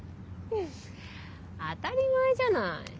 フッ当たり前じゃない。